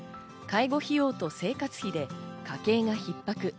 介護費用と生活費で家計がひっ迫。